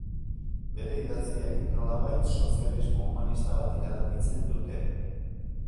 Bere idatziek, nolabait, sozialismo humanista bat iradokitzen dute.